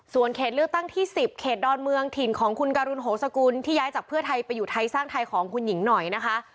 ส่วนเขตเลือกตั้งที่๑๐เขตดอนเมืองถิ่นของคุณการุณโหสกุลที่ย้ายจากเพื่อไทยไปอยู่ไทยสร้างไทยของคุณหญิงหน่อยนะคะ